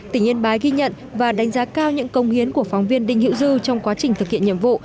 tỉnh yên bái ghi nhận và đánh giá cao những công hiến của phóng viên đinh hữu dư trong quá trình thực hiện nhiệm vụ